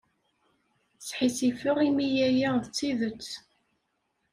Sḥissifeɣ imi aya d tidet.